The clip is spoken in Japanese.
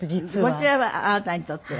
こちらはあなたにとっては？